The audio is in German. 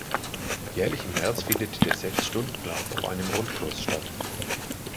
Jährlich im März findet der Sechs-Stunden-Lauf auf einem Rundkurs statt.